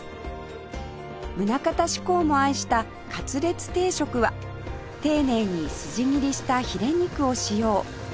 棟方志功も愛した勝烈定食は丁寧に筋切りしたヒレ肉を使用